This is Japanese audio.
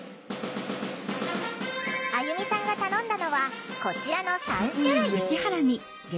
あゆみさんが頼んだのはこちらの３種類。